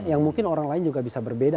yang mungkin orang lain juga bisa berbeda